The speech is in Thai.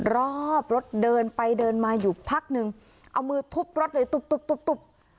รอบรถเดินไปเดินมาอยู่พักนึงเอามือทุบรถเลยตุ๊บตุ๊บตุ๊บตุ๊บ